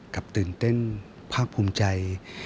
ตื่นเต้นภาคภูมิใจ